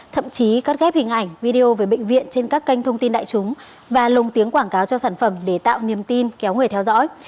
thậm chí cắt ghép hình ảnh video về bệnh viện trên các kênh thông tin đại chúng và lồng tiếng quảng cáo cho sản phẩm để tạo niềm tin kéo người theo dõi